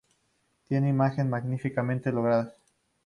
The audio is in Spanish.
Tiene imágenes magníficamente logradas.